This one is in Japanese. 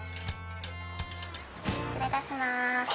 失礼いたします